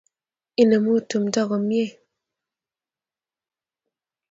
Inemu tumto komye